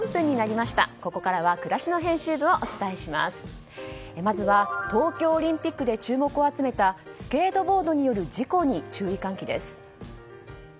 まずは東京オリンピックで注目を集めたスケートボードによる事故に注意喚起です。